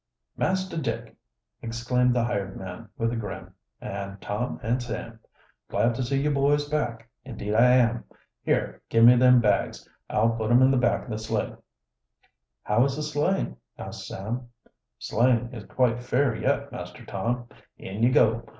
"Master Dick!" exclaimed the hired man, with a grin. "An' Tom an' Sam! Glad to see you boys back, indeed I am. Here, give me them bags. I'll put 'em in the back of the sleigh." "How is the sleighing?" asked Sam. "Sleighing is quite fair yet, Master Tom. In you go.